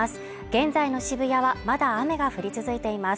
現在の渋谷はまだ雨が降り続いています。